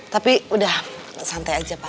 tapi udah santai aja pak